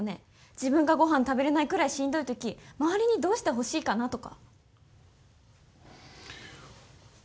自分が、ごはん食べれないくらいしんどい時周りにどうしてほしいかなとか。